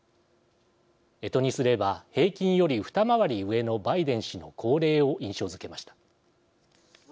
干支にすれば平均より二回り上のバイデン氏の高齢を印象づけました。